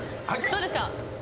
どうですか？